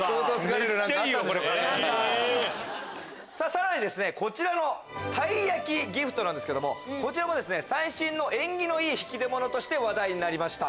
さらにこちらのたい焼きギフトなんですけども最新の縁起のいい引き出物として話題になりました。